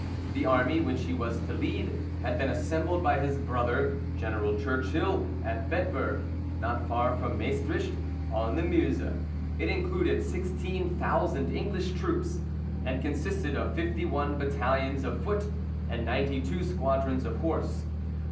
The army, which he was to lead, had been assembled by his brother, General Churchill, at Bedburg, not far from Maestricht on the Meuse: it included sixteen thousand English troops, and consisted of fifty one battalions of foot, and ninety two squadrons of horse.